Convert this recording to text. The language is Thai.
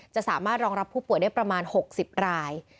สามารถรองรับผู้ป่วยได้ประมาณ๖๐ราย